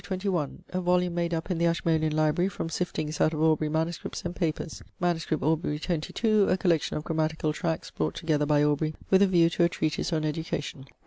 21, a volume made up in the Ashmolean library from siftings out of Aubrey MSS. and papers; MS. Aubr. 22, a collection of grammatical tracts, brought together by Aubrey with a view to a treatise on education; MS.